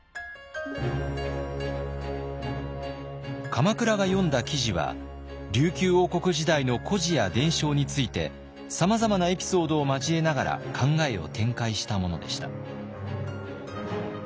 鎌倉が読んだ記事は琉球王国時代の故事や伝承についてさまざまなエピソードを交えながら考えを展開したものでした。